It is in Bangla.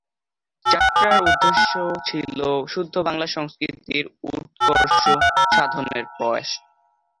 যাত্রার উদ্দেশ্য ছিল শুদ্ধ বাংলা সংস্কৃতির উৎকর্ষ সাধনের প্রয়াস।